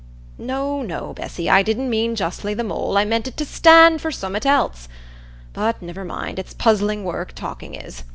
"No, no, Bessy; I didn't mean justly the mole; I meant it to stand for summat else; but niver mind—it's puzzling work, talking is.